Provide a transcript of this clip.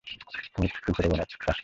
তুই ছোটোবোন চাস কেন?